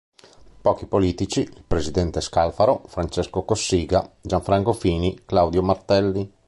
Pochi i politici: il presidente Scalfaro, Francesco Cossiga, Gianfranco Fini, Claudio Martelli.